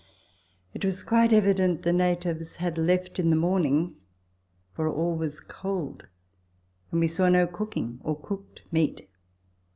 It was quite evident the natives had left in the morning, for all was cold, and we saw no cooking or cooked meat.